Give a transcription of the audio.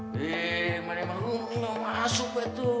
hei mana emang lu mau masuk betul